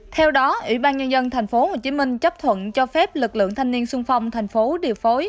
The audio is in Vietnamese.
theo đó ủy ban nhân dân tp hcm chấp thuận cho phép lực lượng thanh niên sung phong thành phố điều phối